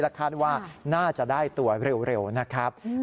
คาดว่าน่าจะได้ตัวเร็วนะครับ